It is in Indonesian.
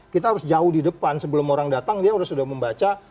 kita harus jauh di depan sebelum orang datang dia sudah membaca